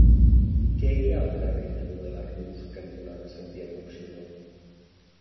Què hi ha al carrer Manuel Arnús cantonada Santiago Rusiñol?